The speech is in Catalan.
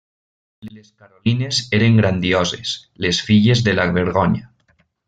Les Carolines eren grandioses: les Filles de la vergonya.